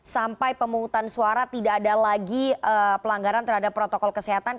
sampai pemungutan suara tidak ada lagi pelanggaran terhadap protokol kesehatan